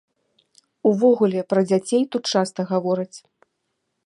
Увогуле, пра дзяцей тут часта гавораць.